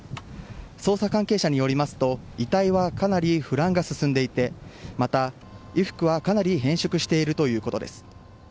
捜査関係者によりますと遺体はかなり腐乱が進んでいてまた、衣服はかなり変色しているということです。